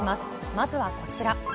まずはこちら。